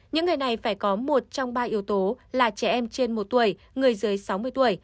những người này phải có một trong ba yếu tố là trẻ em trên một tuổi người dưới sáu mươi tuổi